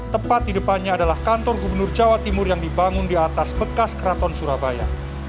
tepat di depannya adalah kantor gubernur jawa timur yang dibangun di atas bekas keraton surabaya